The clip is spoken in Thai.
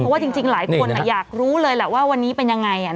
เพราะว่าจริงหลายคนอยากรู้เลยแหละว่าวันนี้เป็นยังไง